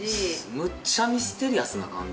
むっちゃミステリアスな感じ。